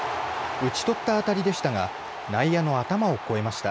打ち取った当たりでしたが内野の頭を越えました。